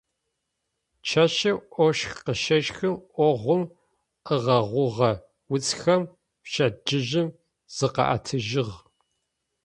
Чэщым ощх къызещхым, огъум ыгъэгъугъэ уцхэм пчэдыжьым зыкъаӏэтыжьыгъ.